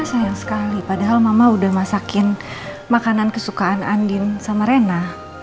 sayang sekali padahal mama udah masakin makanan kesukaan andin sama rena